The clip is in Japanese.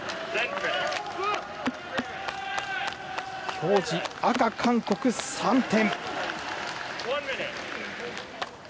表示、赤の韓国、３点。